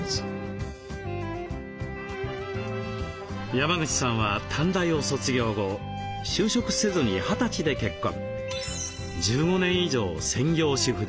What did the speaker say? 山口さんは短大を卒業後就職せずに二十歳で結婚。